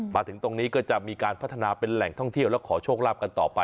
มาถึงตรงนี้ก็จะมีการพัฒนาเป็นแหล่งท่องเที่ยวแล้วขอโชครับ